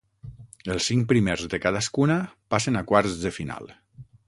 Els cinc primers de cadascuna passen a quarts de final.